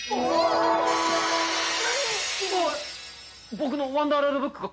僕のワンダーライドブックが！